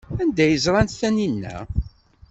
Anda ay ẓrant Taninna?